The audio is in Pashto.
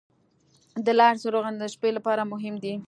د لارې څراغونه د شپې لپاره مهم دي.